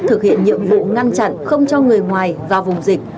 thực hiện nhiệm vụ ngăn chặn không cho người ngoài vào vùng dịch